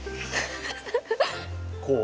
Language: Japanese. こう？